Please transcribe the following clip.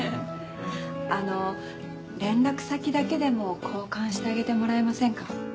あの連絡先だけでも交換してあげてもらえませんか？